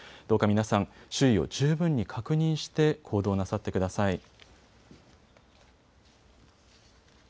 どうか皆さん、周囲を十分に確認して行動をなさってください。